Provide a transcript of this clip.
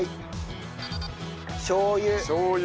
しょう油。